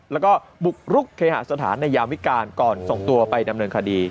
แล้วก็บุกรุกเคหาสถานในยามวิการก่อนส่งตัวไปดำเนินคดี